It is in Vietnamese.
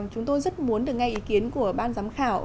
chúng tôi rất muốn được nghe ý kiến của ban giám khảo